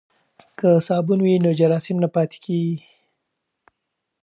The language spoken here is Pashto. که صابون وي نو جراثیم نه پاتیږي.